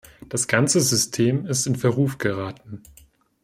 Das ganze System ist in Verruf geraten.